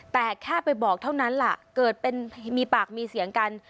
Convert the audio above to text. แต่แค่ไปบอกเท่านั้นล่ะเกิดเป็นมีปากมีเสียงกัน